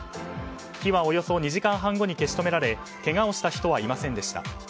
火はおよそ２時間半後に消し止められけがをした人はいませんでした。